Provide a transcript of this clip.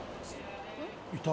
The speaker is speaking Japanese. いた。